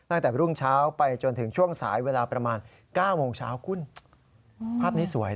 อันนี้ก็จะเห็นแบบนี้บ่อย